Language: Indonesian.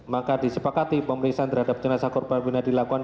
maka disepakati pemeriksaan terhadap jenazah korban bina dilakukan